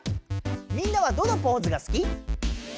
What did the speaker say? みんなはどのポーズがすき？